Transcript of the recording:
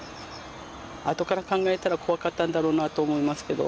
あとから考えたら怖かったんだろうなと思いますけど。